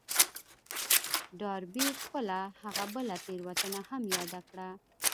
ډاربي خپله هغه بله تېروتنه هم ياده کړه.